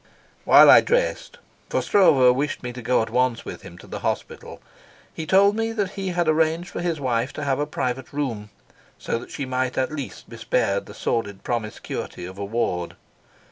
While I dressed for Stroeve wished me to go at once with him to the hospital he told me that he had arranged for his wife to have a private room, so that she might at least be spared the sordid promiscuity of a ward.